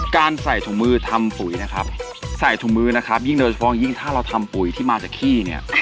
การใส่ถุงมือทำปุ๋ยนะครับใส่ถุงมือนะครับยิ่งโดยเฉพาะยิ่งถ้าเราทำปุ๋ยที่มาจากขี้เนี่ย